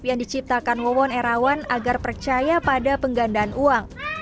yang diciptakan won era satu agar percaya pada penggandaan uang